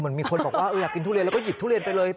มีคนบอกว่าอยากกินทุเรียนแล้วก็หยิบทุเรียนไปเลย